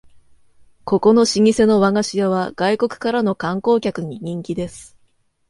ここの老舗の和菓子屋は外国からの観光客に人気です